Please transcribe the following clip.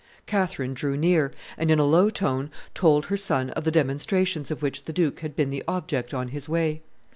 Catherine drew near, and, in a low tone, told her son of the demonstrations of which the duke had been the object on his way.